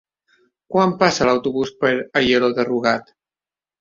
Quan passa l'autobús per Aielo de Rugat?